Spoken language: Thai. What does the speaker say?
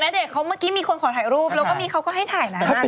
แต่ณเดชน์เขาเมื่อกี้มีคนขอถ่ายรูปแล้วก็มีเขาก็ให้ถ่ายหน้านี่